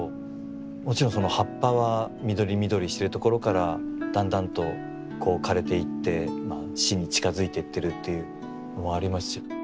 もちろんその葉っぱは緑緑してるところからだんだんとこう枯れていって死に近づいていってるっていうのもありますし。